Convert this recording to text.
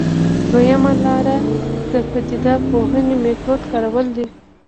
دویمه لاره د پدیده پوهنې میتود کارول دي.